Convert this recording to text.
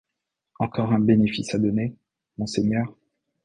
Encore un bénéfice à donner, monseigneur ?